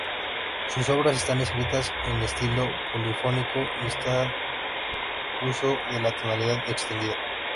Sus obras están escritas en estilo polifónico y hacen uso de la tonalidad extendida.